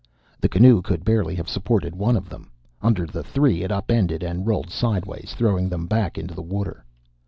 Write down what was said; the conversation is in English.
The canoe could barely have supported one of them. Under the three it upended and rolled sidewise, throwing them back into the water.